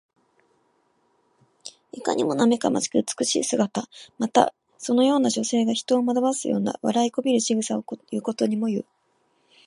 いかにもなまめかしく美しい姿。また、そのような女性が人を惑わすような、笑いこびるしぐさをすることにもいう。